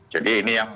jadi ini yang